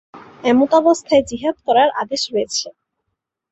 এমতাস্থায় জিহাদ করার আদেশ রয়েছে।